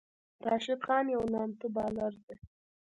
راشد خان یو نامتو بالر دئ.